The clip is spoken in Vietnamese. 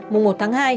mùng một tháng hai